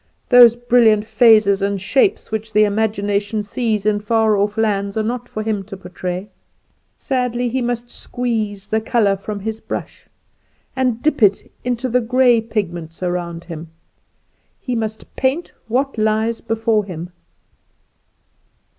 Those brilliant phases and shapes which the imagination sees in far off lands are not for him to portray. Sadly he must squeeze the colour from his brush, and dip it into the gray pigments around him. He must paint what lies before him.